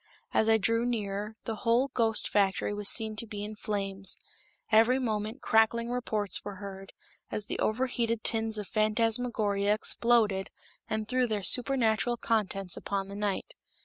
As I drew nearer, the whole ghost factory was seen to be in flames; every moment crackling reports were heard, as the over heated tins of phantasmagoria exploded and threw their supernatural contents upon the night.